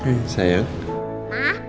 coba duduk sedikit